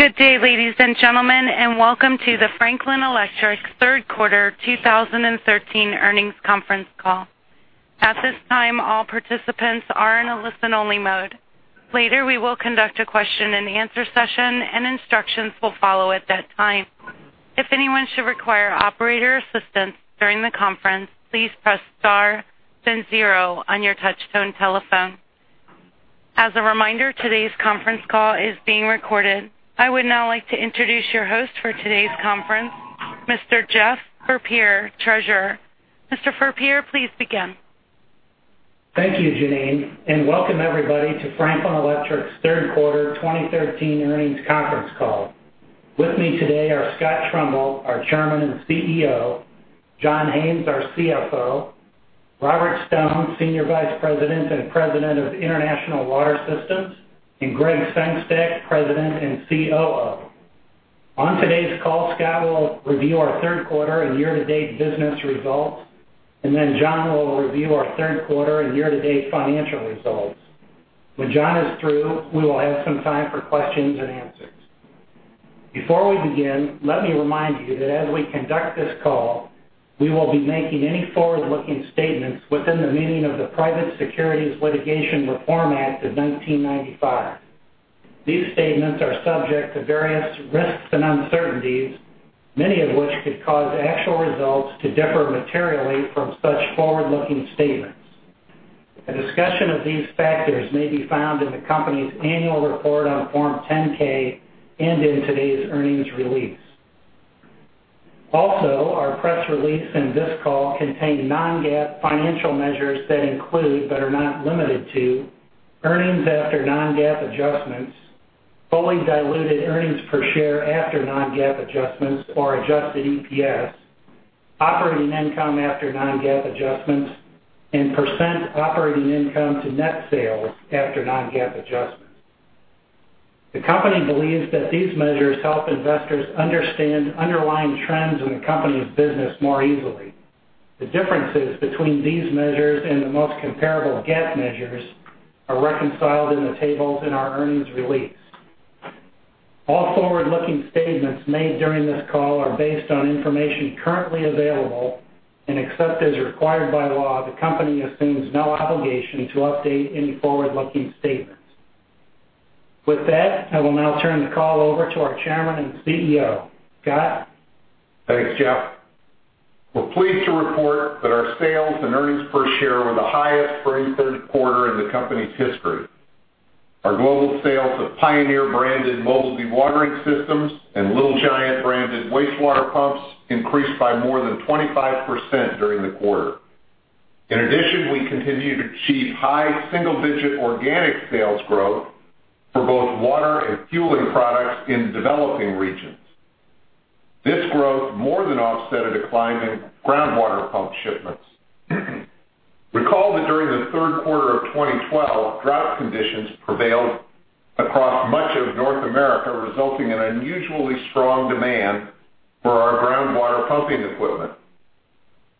Good day, ladies and gentlemen, and welcome to the Franklin Electric Third Quarter 2013 Earnings Conference Call. At this time, all participants are in a listen-only mode. Later, we will conduct a question-and-answer session, and instructions will follow at that time. If anyone should require operator assistance during the conference, please press star then zero on your touch-tone telephone. As a reminder, today's conference call is being recorded. I would now like to introduce your host for today's conference, Mr. Jeff Fleeger, Treasurer. Mr. Fleeger, please begin. Thank you, Janine, and welcome everybody to Franklin Electric's Third Quarter 2013 Earnings Conference Call. With me today are Scott Trumbull, our Chairman and CEO; John Haines, our CFO; Robert Stone, senior vice president and President of International Water Systems; and Gregg Sengstack, President and COO. On today's call, Scott will review our third quarter and year-to-date business results, and then John will review our third quarter and year-to-date financial results. When John is through, we will have some time for questions and answers. Before we begin, let me remind you that as we conduct this call, we will be making any forward-looking statements within the meaning of the Private Securities Litigation Reform Act of 1995. These statements are subject to various risks and uncertainties, many of which could cause actual results to differ materially from such forward-looking statements. A discussion of these factors may be found in the company's annual report on Form 10-K and in today's earnings release. Also, our press release in this call contains non-GAAP financial measures that include but are not limited to: earnings after non-GAAP adjustments, fully diluted earnings per share after non-GAAP adjustments or adjusted EPS, operating income after non-GAAP adjustments, and percent operating income to net sales after non-GAAP adjustments. The company believes that these measures help investors understand underlying trends in the company's business more easily. The differences between these measures and the most comparable GAAP measures are reconciled in the tables in our earnings release. All forward-looking statements made during this call are based on information currently available, and except as required by law, the company assumes no obligation to update any forward-looking statements. With that, I will now turn the call over to our chairman and CEO. Scott? Thanks, Jeff. We're pleased to report that our sales and earnings per share were the highest for any third quarter in the company's history. Our global sales of Pioneer branded mobility dewatering systems and Little Giant branded wastewater pumps increased by more than 25% during the quarter. In addition, we continue to achieve high single-digit organic sales growth for both water and fueling products in developing regions. This growth more than offset a decline in groundwater pump shipments. Recall that during the third quarter of 2012, drought conditions prevailed across much of North America, resulting in unusually strong demand for our groundwater pumping equipment.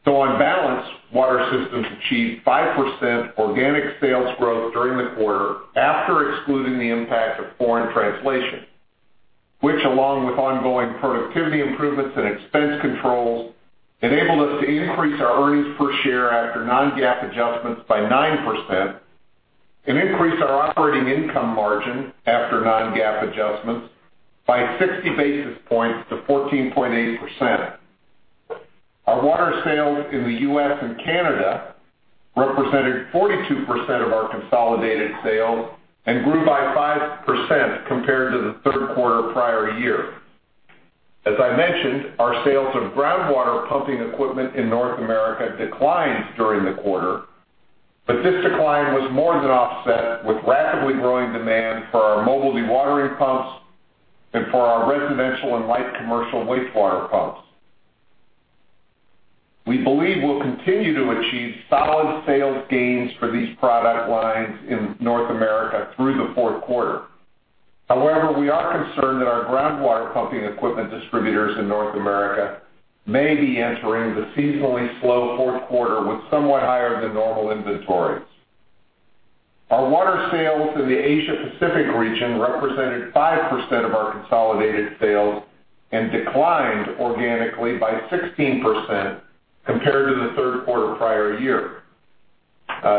So on balance, Water Systems achieved 5% organic sales growth during the quarter after excluding the impact of foreign translation, which, along with ongoing productivity improvements and expense controls, enabled us to increase our earnings per share after non-GAAP adjustments by 9% and increase our operating income margin after non-GAAP adjustments by 60 basis points to 14.8%. Our water sales in the U.S. and Canada represented 42% of our consolidated sales and grew by 5% compared to the third quarter prior year. As I mentioned, our sales of groundwater pumping equipment in North America declined during the quarter, but this decline was more than offset with rapidly growing demand for our mobile dewatering pumps and for our residential and light commercial wastewater pumps. We believe we'll continue to achieve solid sales gains for these product lines in North America through the fourth quarter. However, we are concerned that our groundwater pumping equipment distributors in North America may be entering the seasonally slow fourth quarter with somewhat higher-than-normal inventories. Our water sales in the Asia-Pacific region represented 5% of our consolidated sales and declined organically by 16% compared to the third quarter prior year.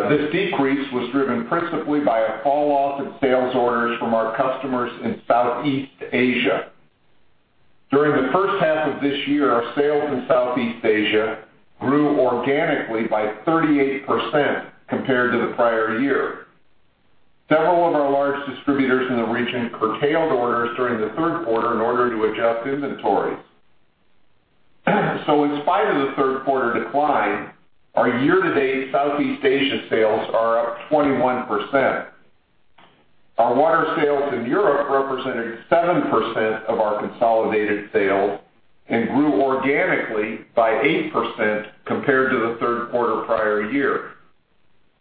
This decrease was driven principally by a fall-off in sales orders from our customers in Southeast Asia. During the first half of this year, our sales in Southeast Asia grew organically by 38% compared to the prior year. Several of our large distributors in the region curtailed orders during the third quarter in order to adjust inventories. So in spite of the third quarter decline, our year-to-date Southeast Asia sales are up 21%. Our water sales in Europe represented 7% of our consolidated sales and grew organically by 8% compared to the third quarter prior year.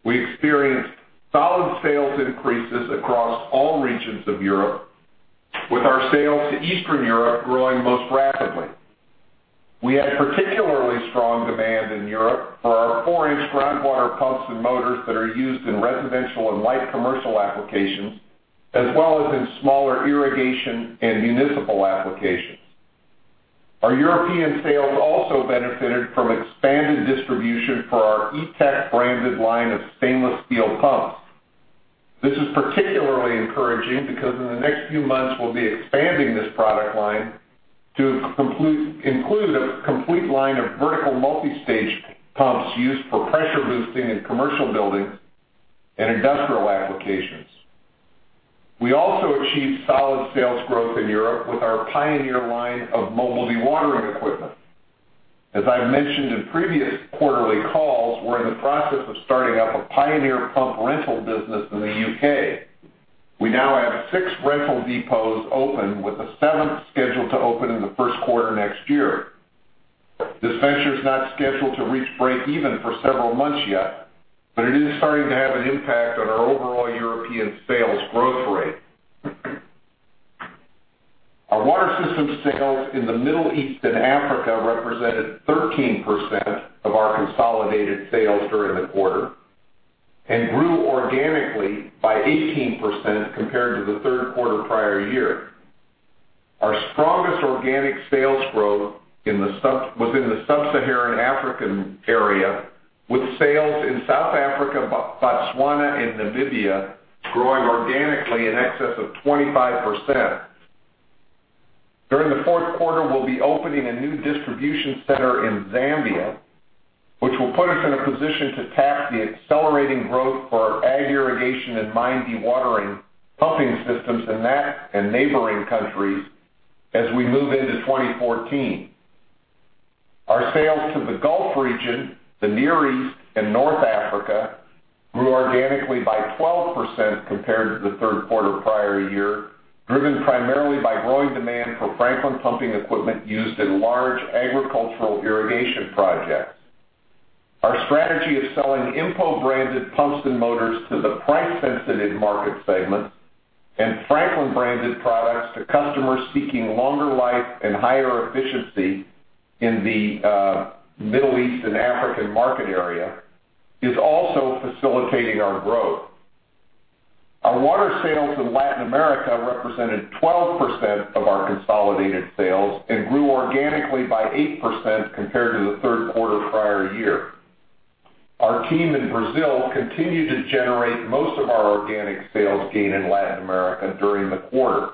We experienced solid sales increases across all regions of Europe, with our sales to Eastern Europe growing most rapidly. We had particularly strong demand in Europe for our 4-inch groundwater pumps and motors that are used in residential and light commercial applications, as well as in smaller irrigation and municipal applications. Our European sales also benefited from expanded distribution for our E-Techbranded line of stainless steel pumps. This is particularly encouraging because in the next few months we'll be expanding this product line to include a complete line of vertical multi-stage pumps used for pressure boosting in commercial buildings and industrial applications. We also achieved solid sales growth in Europe with our Pioneer line of mobility dewatering equipment. As I've mentioned in previous quarterly calls, we're in the process of starting up a Pioneer pump rental business in the U.K. We now have six rental depots open, with a seventh scheduled to open in the first quarter next year. This venture's not scheduled to reach break-even for several months yet, but it is starting to have an impact on our overall European sales growth rate. Our water systems sales in the Middle East and Africa represented 13% of our consolidated sales during the quarter and grew organically by 18% compared to the third quarter prior year. Our strongest organic sales growth was in the Sub-Saharan Africa area, with sales in South Africa, Botswana, and Namibia growing organically in excess of 25%. During the fourth quarter, we'll be opening a new distribution center in Zambia, which will put us in a position to tap the accelerating growth for our ag irrigation and mine dewatering pumping systems in that and neighboring countries as we move into 2014. Our sales to the Gulf region, the Near East, and North Africa grew organically by 12% compared to the third quarter prior year, driven primarily by growing demand for Franklin pumping equipment used in large agricultural irrigation projects. Our strategy of selling Impo branded pumps and motors to the price-sensitive market segments and Franklin branded products to customers seeking longer life and higher efficiency in the Middle East and African market area is also facilitating our growth. Our water sales in Latin America represented 12% of our consolidated sales and grew organically by 8% compared to the third quarter prior year. Our team in Brazil continued to generate most of our organic sales gain in Latin America during the quarter.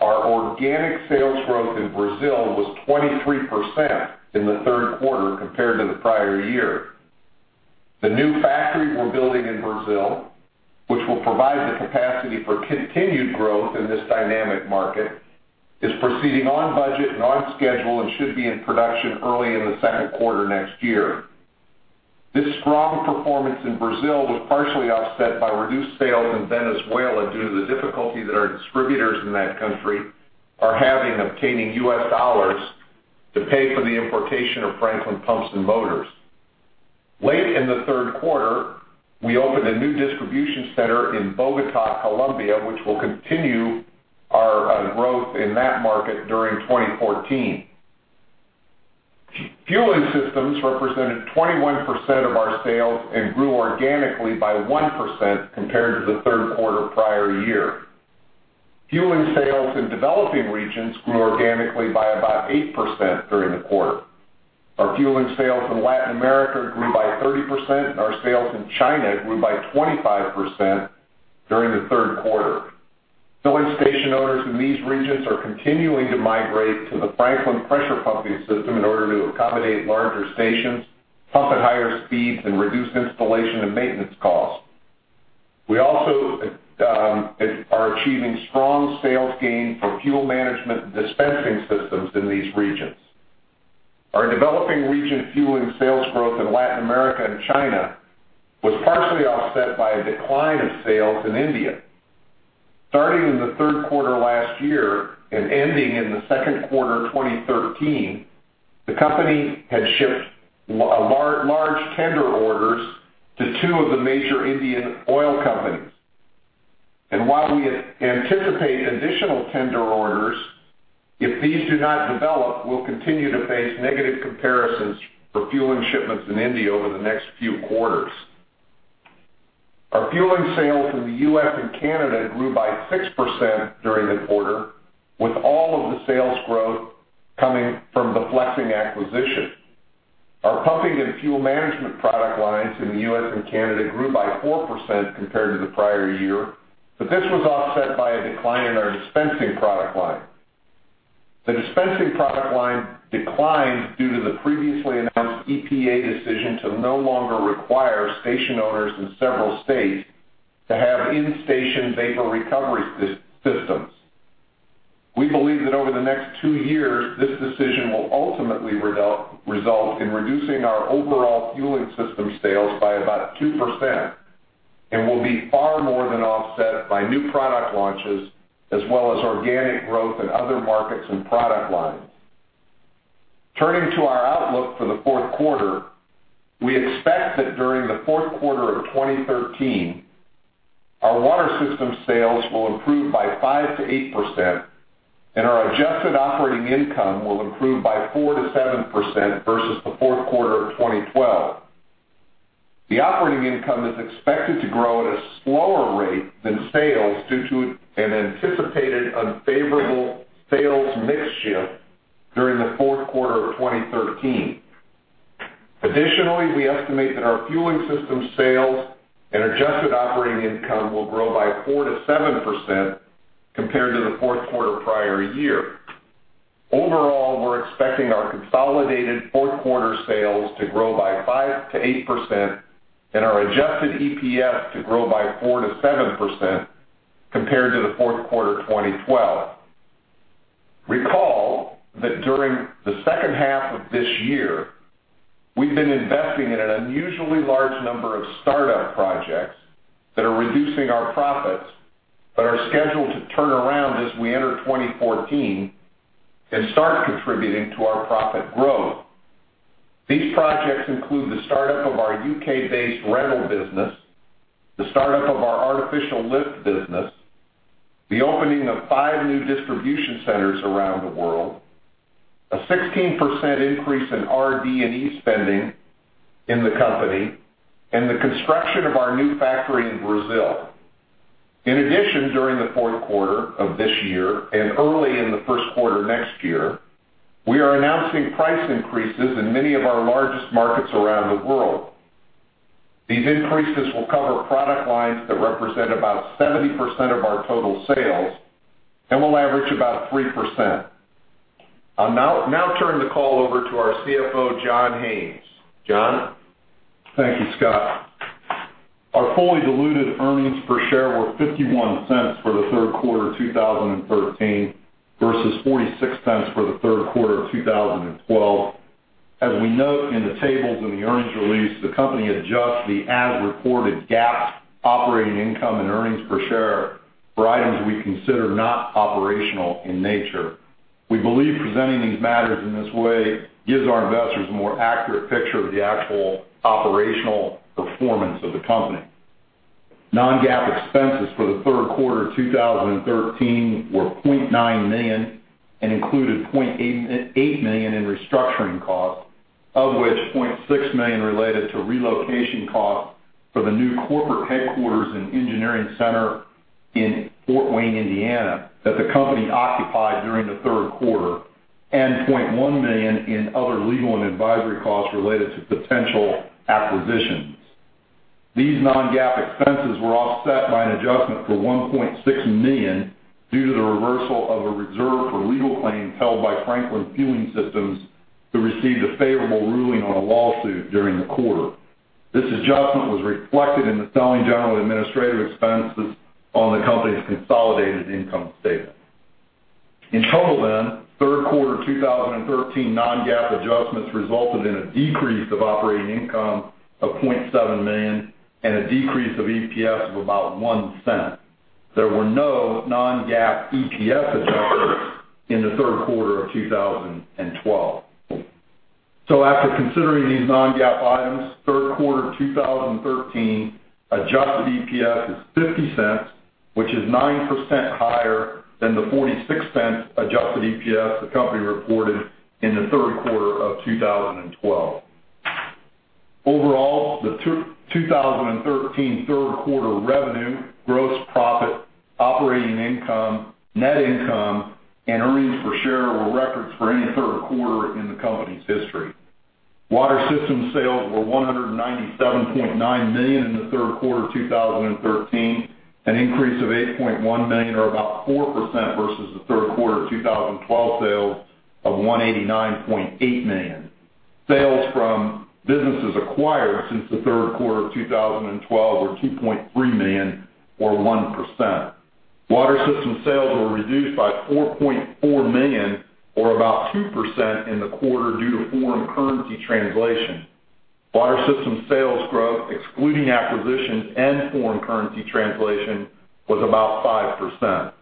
Our organic sales growth in Brazil was 23% in the third quarter compared to the prior year. The new factory we're building in Brazil, which will provide the capacity for continued growth in this dynamic market, is proceeding on budget and on schedule and should be in production early in the second quarter next year. This strong performance in Brazil was partially offset by reduced sales in Venezuela due to the difficulty that our distributors in that country are having obtaining U.S. dollars to pay for the importation of Franklin pumps and motors. Late in the third quarter, we opened a new distribution center in Bogotá, Colombia, which will continue our growth in that market during 2014. Fueling systems represented 21% of our sales and grew organically by 1% compared to the third quarter prior year. Fueling sales in developing regions grew organically by about 8% during the quarter. Our fueling sales in Latin America grew by 30%, and our sales in China grew by 25% during the third quarter. Filling station owners in these regions are continuing to migrate to the Franklin pressure pumping system in order to accommodate larger stations, pump at higher speeds, and reduce installation and maintenance costs. We also are achieving strong sales gain for fuel management dispensing systems in these regions. Our developing region fueling sales growth in Latin America and China was partially offset by a decline of sales in India. Starting in the third quarter last year and ending in the second quarter 2013, the company had shipped large tender orders to two of the major Indian oil companies. While we anticipate additional tender orders, if these do not develop, we'll continue to face negative comparisons for fueling shipments in India over the next few quarters. Our fueling sales in the U.S. and Canada grew by 6% during the quarter, with all of the sales growth coming from the Flex-Ing acquisition. Our pumping and fuel management product lines in the U.S. and Canada grew by 4% compared to the prior year, but this was offset by a decline in our dispensing product line. The dispensing product line declined due to the previously announced EPA decision to no longer require station owners in several states to have in-station vapor recovery systems. We believe that over the next two years, this decision will ultimately result in reducing our overall fueling system sales by about 2% and will be far more than offset by new product launches as well as organic growth in other markets and product lines. Turning to our outlook for the fourth quarter, we expect that during the fourth quarter of 2013, our water systems sales will improve by 5%-8%, and our adjusted operating income will improve by 4%-7% versus the fourth quarter of 2012. The operating income is expected to grow at a slower rate than sales due to an anticipated unfavorable sales mix shift during the fourth quarter of 2013. Additionally, we estimate that our fueling systems sales and adjusted operating income will grow by 4%-7% compared to the fourth quarter prior year. Overall, we're expecting our consolidated fourth quarter sales to grow by 5%-8% and our adjusted EPS to grow by 4%-7% compared to the fourth quarter 2012. Recall that during the second half of this year, we've been investing in an unusually large number of startup projects that are reducing our profits but are scheduled to turn around as we enter 2014 and start contributing to our profit growth. These projects include the startup of our U.K.-based rental business, the startup of our artificial lift business, the opening of five new distribution centers around the world, a 16% increase in R&D and E spending in the company, and the construction of our new factory in Brazil. In addition, during the fourth quarter of this year and early in the first quarter next year, we are announcing price increases in many of our largest markets around the world. These increases will cover product lines that represent about 70% of our total sales and will average about 3%. I'll now turn the call over to our CFO, John Haines. John? Thank you, Scott. Our fully diluted earnings per share were $0.51 for the third quarter of 2013 versus $0.46 for the third quarter of 2012. As we note in the tables and the earnings release, the company adjusts the as-reported GAAP operating income and earnings per share for items we consider not operational in nature. We believe presenting these matters in this way gives our investors a more accurate picture of the actual operational performance of the company. Non-GAAP expenses for the third quarter of 2013 were $0.9 million and included $0.8 million in restructuring costs, of which $0.6 million related to relocation costs for the new corporate headquarters and engineering center in Fort Wayne, Indiana, that the company occupied during the third quarter, and $0.1 million in other legal and advisory costs related to potential acquisitions. These non-GAAP expenses were offset by an adjustment for $1.6 million due to the reversal of a reserve for legal claims held by Franklin Fueling Systems to receive the favorable ruling on a lawsuit during the quarter. This adjustment was reflected in the selling, general, and administrative expenses on the company's consolidated income statement. In total, then, third quarter 2013 non-GAAP adjustments resulted in a decrease of operating income of $0.7 million and a decrease of EPS of about $0.01. There were no non-GAAP EPS adjustments in the third quarter of 2012. So after considering these non-GAAP items, third quarter 2013 adjusted EPS is $0.50, which is 9% higher than the $0.46 adjusted EPS the company reported in the third quarter of 2012. Overall, the 2013 third quarter revenue, gross profit, operating income, net income, and earnings per share were records for any third quarter in the company's history. Water Systems sales were $197.9 million in the third quarter of 2013, an increase of $8.1 million or about 4% versus the third quarter of 2012 sales of $189.8 million. Sales from businesses acquired since the third quarter of 2012 were $2.3 million or 1%. Water Systems sales were reduced by $4.4 million or about 2% in the quarter due to foreign currency translation. Water Systems sales growth, excluding acquisitions and foreign currency translation, was about 5%.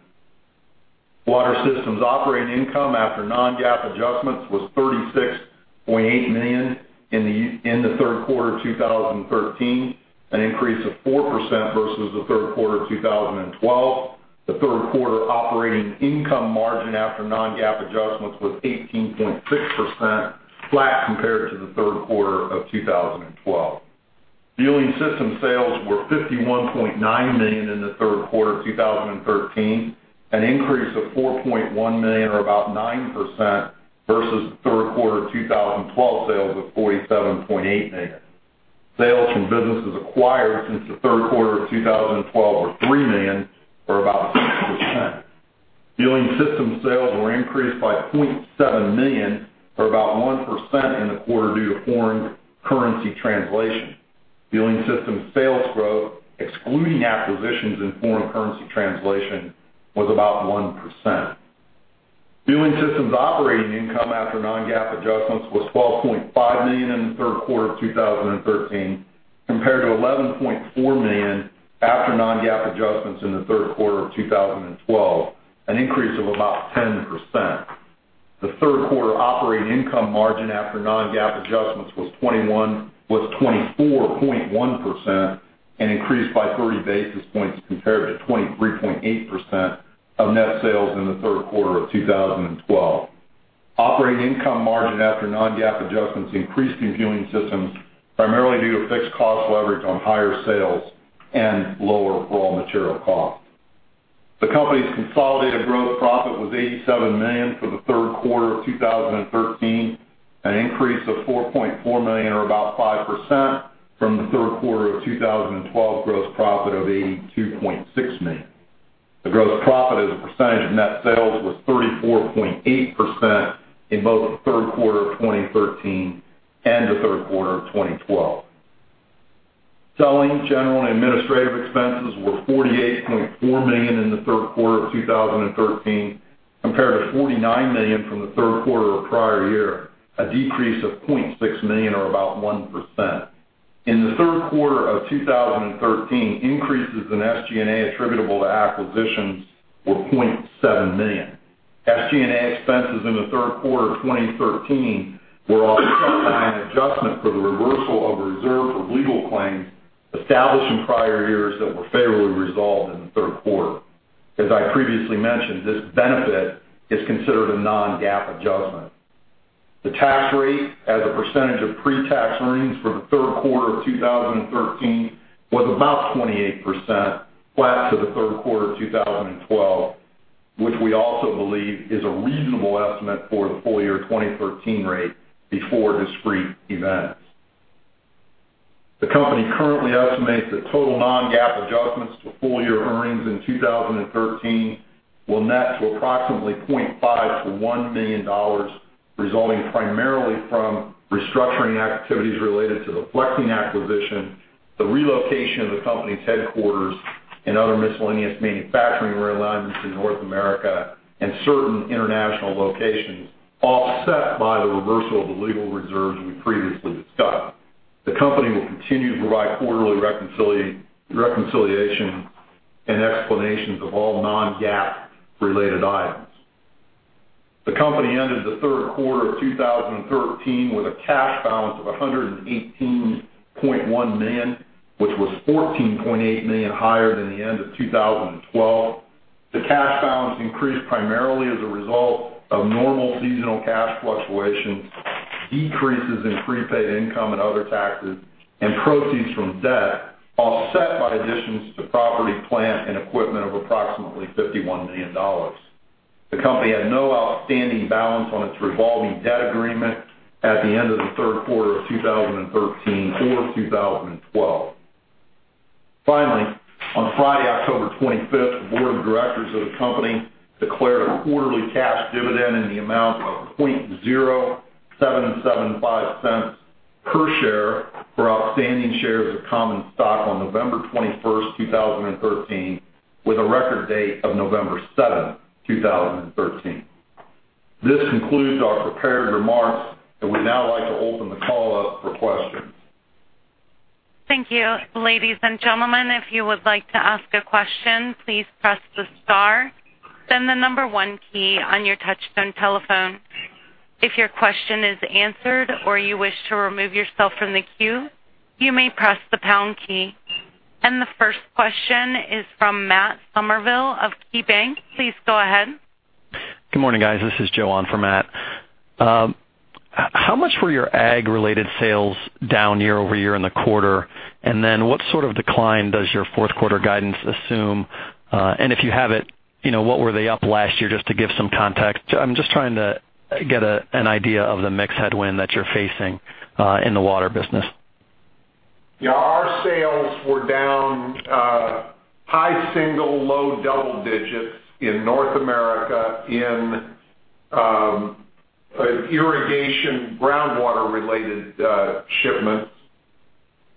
Water Systems operating income after non-GAAP adjustments was $36.8 million in the third quarter of 2013, an increase of 4% versus the third quarter of 2012. The third quarter operating income margin after non-GAAP adjustments was 18.6%, flat compared to the third quarter of 2012. Fueling systems sales were $51.9 million in the third quarter of 2013, an increase of $4.1 million or about 9% versus the third quarter of 2012 sales of $47.8 million. Sales from businesses acquired since the third quarter of 2012 were $3 million or about 6%. Fueling systems sales were increased by $0.7 million or about 1% in the quarter due to foreign currency translation. Fueling systems sales growth, excluding acquisitions in foreign currency translation, was about 1%. Fueling systems operating income after non-GAAP adjustments was $12.5 million in the third quarter of 2013 compared to $11.4 million after non-GAAP adjustments in the third quarter of 2012, an increase of about 10%. The third quarter operating income margin after non-GAAP adjustments was 24.1%, an increase by 30 basis points compared to 23.8% of net sales in the third quarter of 2012. Operating income margin after non-GAAP adjustments increased in fueling systems primarily due to fixed cost leverage on higher sales and lower raw material costs. The company's consolidated gross profit was $87 million for the third quarter of 2013, an increase of $4.4 million or about 5% from the third quarter of 2012 gross profit of $82.6 million. The gross profit as a percentage of net sales was 34.8% in both the third quarter of 2013 and the third quarter of 2012. Selling, general, and administrative expenses were $48.4 million in the third quarter of 2013 compared to $49 million from the third quarter of prior year, a decrease of $0.6 million or about 1%. In the third quarter of 2013, increases in SG&A attributable to acquisitions were $0.7 million. SG&A expenses in the third quarter of 2013 were offset by an adjustment for the reversal of a reserve for legal claims established in prior years that were favorably resolved in the third quarter. As I previously mentioned, this benefit is considered a non-GAAP adjustment. The tax rate as a percentage of pre-tax earnings for the third quarter of 2013 was about 28%, flat to the third quarter of 2012, which we also believe is a reasonable estimate for the full year 2013 rate before discrete events. The company currently estimates that total non-GAAP adjustments to full year earnings in 2013 will net to approximately $0.5 million-$1 million, resulting primarily from restructuring activities related to the flexing acquisition, the relocation of the company's headquarters, and other miscellaneous manufacturing realignments in North America and certain international locations, offset by the reversal of the legal reserves we previously discussed. The company will continue to provide quarterly reconciliations and explanations of all non-GAAP related items. The company ended the third quarter of 2013 with a cash balance of $118.1 million, which was $14.8 million higher than the end of 2012. The cash balance increased primarily as a result of normal seasonal cash fluctuations, decreases in prepaid income and other taxes, and proceeds from debt, offset by additions to property, plant, and equipment of approximately $51 million. The company had no outstanding balance on its revolving debt agreement at the end of the third quarter of 2013 or 2012. Finally, on Friday, October 25th, the board of directors of the company declared a quarterly cash dividend in the amount of $0.0775 per share for outstanding shares of common stock on November 21st, 2013, with a record date of November 7th, 2013. This concludes our prepared remarks, and we'd now like to open the call up for questions. Thank you. Ladies and gentlemen, if you would like to ask a question, please press the star, then the number one key on your touch-tone telephone. If your question is answered or you wish to remove yourself from the queue, you may press the pound key. And the first question is from Matt Somerville of KeyBanc. Please go ahead. Good morning, guys. This is Joe on for Matt. How much were your ag-related sales down year-over-year in the quarter, and then what sort of decline does your fourth quarter guidance assume? And if you have it, what were they up last year just to give some context? I'm just trying to get an idea of the mix headwind that you're facing in the water business. Yeah. Our sales were down high single, low double digits in North America in irrigation groundwater-related shipments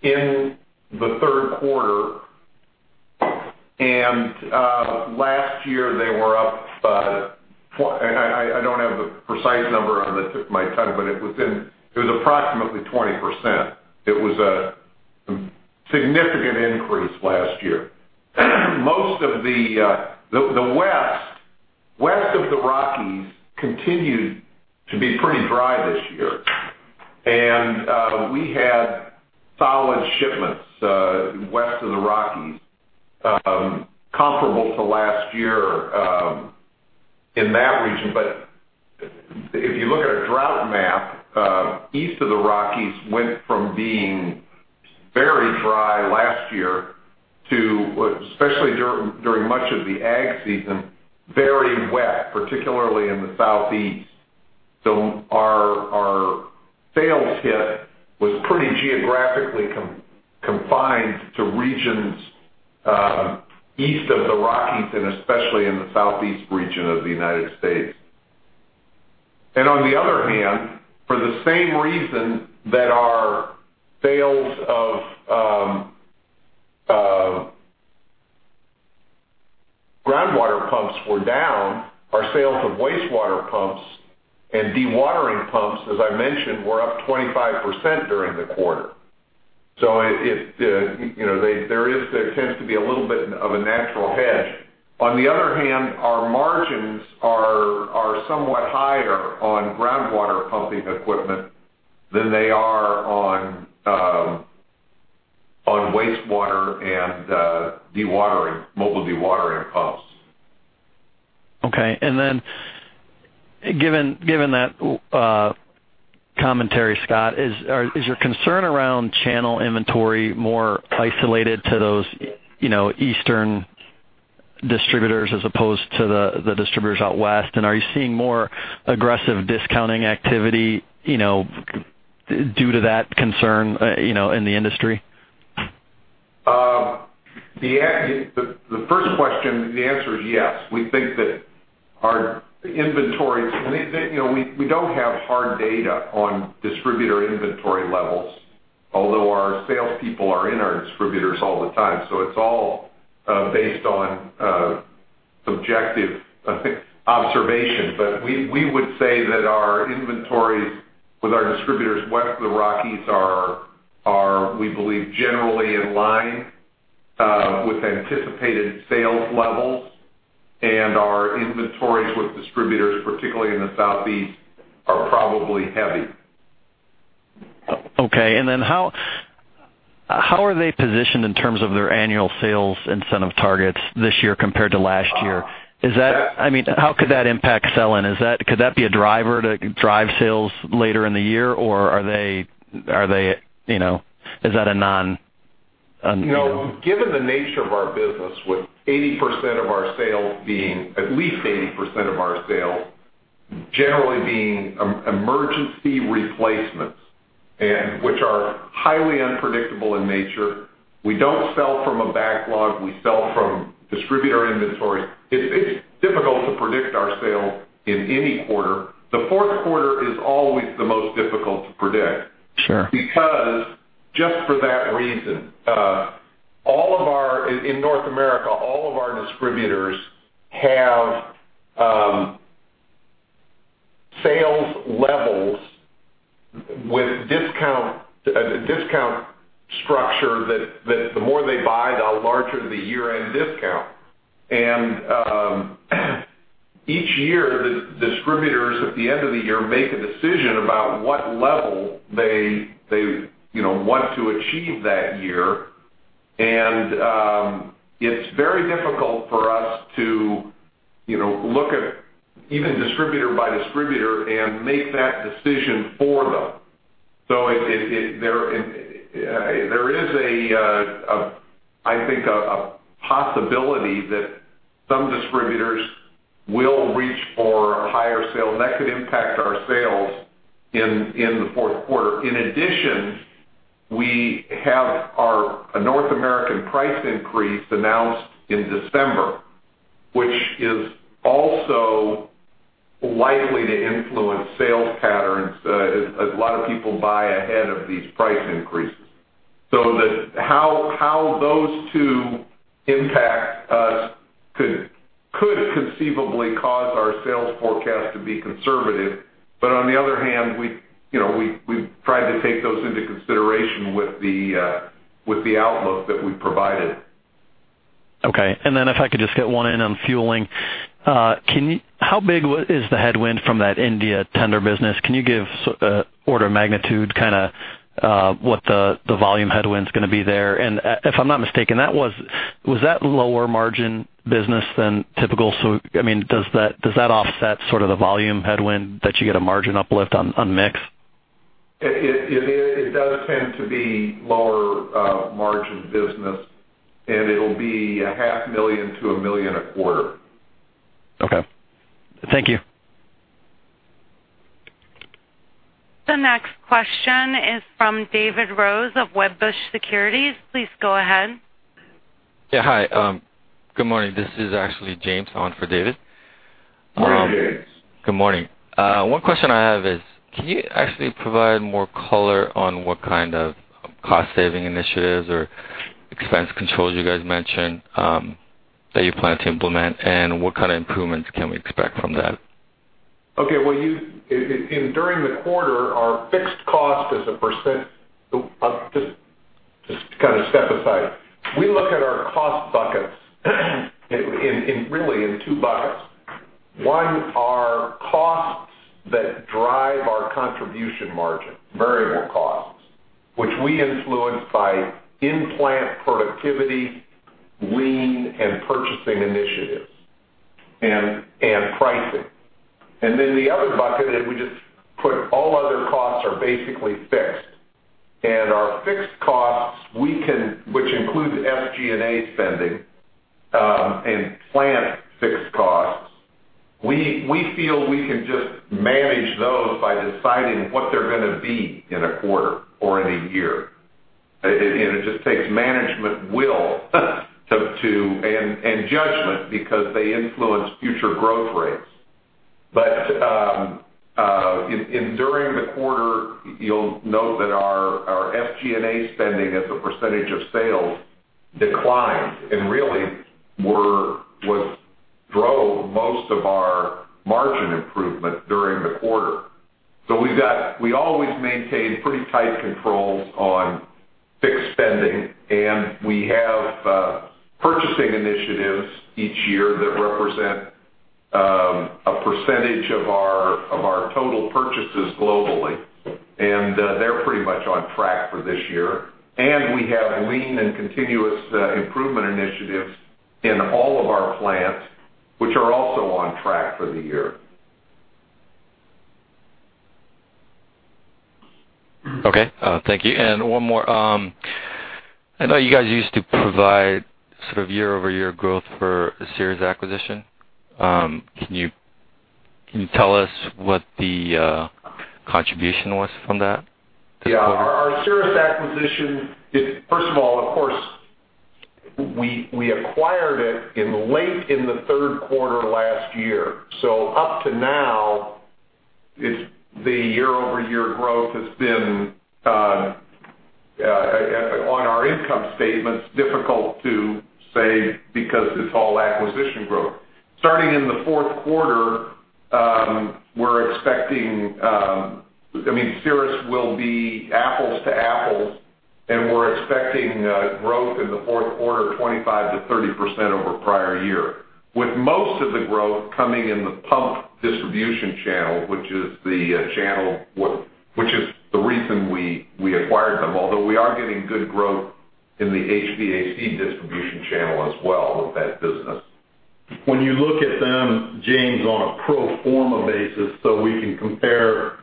in the third quarter. Last year, they were up. I don't have the precise number on my tongue, but it was approximately 20%. It was a significant increase last year. Most of the west of the Rockies continued to be pretty dry this year. We had solid shipments west of the Rockies comparable to last year in that region. But if you look at a drought map, east of the Rockies went from being very dry last year to, especially during much of the ag season, very wet, particularly in the Southeast. So our sales hit was pretty geographically confined to regions east of the Rockies and especially in the Southeast region of the United States. On the other hand, for the same reason that our sales of groundwater pumps were down, our sales of wastewater pumps and dewatering pumps, as I mentioned, were up 25% during the quarter. There tends to be a little bit of a natural hedge. On the other hand, our margins are somewhat higher on groundwater pumping equipment than they are on wastewater and mobile dewatering pumps. Okay. And then given that commentary, Scott, is your concern around channel inventory more isolated to those eastern distributors as opposed to the distributors out west? And are you seeing more aggressive discounting activity due to that concern in the industry? The first question, the answer is yes. We think that our inventory, we don't have hard data on distributor inventory levels, although our salespeople are in our distributors all the time. So it's all based on subjective observation. But we would say that our inventories with our distributors west of the Rockies are, we believe, generally in line with anticipated sales levels. And our inventories with distributors, particularly in the Southeast, are probably heavy. Okay. And then how are they positioned in terms of their annual sales incentive targets this year compared to last year? I mean, how could that impact selling? Could that be a driver to drive sales later in the year, or are they is that a non? No. Given the nature of our business, with at least 80% of our sales generally being emergency replacements, which are highly unpredictable in nature, we don't sell from a backlog. We sell from distributor inventories. It's difficult to predict our sales in any quarter. The fourth quarter is always the most difficult to predict because just for that reason, in North America, all of our distributors have sales levels with a discount structure that the more they buy, the larger the year-end discount. Each year, the distributors at the end of the year make a decision about what level they want to achieve that year. It's very difficult for us to look at even distributor by distributor and make that decision for them. So there is, I think, a possibility that some distributors will reach for higher sales. That could impact our sales in the fourth quarter. In addition, we have a North American price increase announced in December, which is also likely to influence sales patterns. A lot of people buy ahead of these price increases. So how those two impact us could conceivably cause our sales forecast to be conservative. On the other hand, we've tried to take those into consideration with the outlook that we provided. Okay. And then if I could just get one in on fueling, how big is the headwind from that India tender business? Can you give order of magnitude kind of what the volume headwind's going to be there? And if I'm not mistaken, was that lower margin business than typical? So I mean, does that offset sort of the volume headwind that you get a margin uplift on mix? It does tend to be lower margin business, and it'll be $500,000-$1 million a quarter. Okay. Thank you. The next question is from David Rose of Wedbush Securities. Please go ahead. Yeah. Hi. Good morning. This is actually James on for David. Great, James. Good morning. One question I have is, can you actually provide more color on what kind of cost-saving initiatives or expense controls you guys mentioned that you plan to implement, and what kind of improvements can we expect from that? Okay. Well, during the quarter, our fixed cost as a % just to kind of step aside, we look at our cost buckets really in two buckets. One are costs that drive our contribution margin, variable costs, which we influence by in-plant productivity, lean, and purchasing initiatives, and pricing. And then the other bucket, and we just put all other costs are basically fixed. And our fixed costs, which include SG&A spending and plant fixed costs, we feel we can just manage those by deciding what they're going to be in a quarter or in a year. And it just takes management will and judgment because they influence future growth rates. But during the quarter, you'll note that our SG&A spending as a % of sales declined and really drove most of our margin improvement during the quarter. We always maintain pretty tight controls on fixed spending, and we have purchasing initiatives each year that represent a percentage of our total purchases globally. They're pretty much on track for this year. We have lean and continuous improvement initiatives in all of our plants, which are also on track for the year. Okay. Thank you. One more. I know you guys used to provide sort of year-over-year growth for Cerus Acquisition. Can you tell us what the contribution was from that this quarter? Yeah. Our Cerus Acquisition, first of all, of course, we acquired it late in the third quarter last year. So up to now, the year-over-year growth has been, on our income statements, difficult to say because it's all acquisition growth. Starting in the fourth quarter, we're expecting I mean, Cerus will be apples to apples, and we're expecting growth in the fourth quarter 25%-30% over prior year, with most of the growth coming in the pump distribution channel, which is the channel which is the reason we acquired them, although we are getting good growth in the HVAC distribution channel as well with that business. When you look at them, James, on a pro forma basis, so we can compare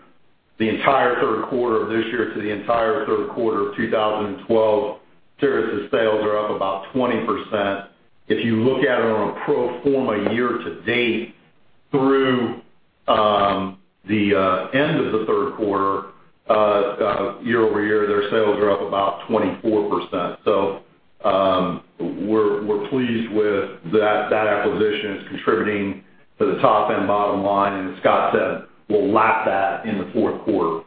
the entire third quarter of this year to the entire third quarter of 2012, Cerus's sales are up about 20%. If you look at it on a pro forma year-to-date through the end of the third quarter, year-over-year, their sales are up about 24%. So we're pleased with that acquisition as contributing to the top-end bottom line. And as Scott said, we'll lap that in the fourth quarter.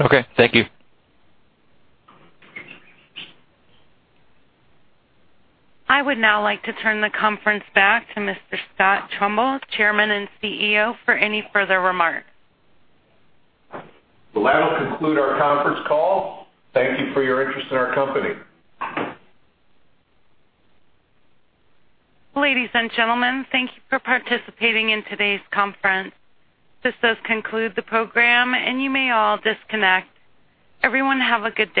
Okay. Thank you. I would now like to turn the conference back to Mr. Scott Trumbull, Chairman and CEO, for any further remarks. Well, that'll conclude our conference call. Thank you for your interest in our company. Ladies and gentlemen, thank you for participating in today's conference. This does conclude the program, and you may all disconnect. Everyone, have a good day.